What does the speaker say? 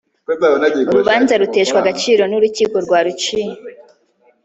urubanza ruteshwa agaciro n urukiko rwaruciye